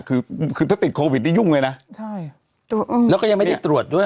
คือคือถ้าติดโควิดนี่ยุ่งเลยนะใช่ตรวจแล้วก็ยังไม่ได้ตรวจด้วย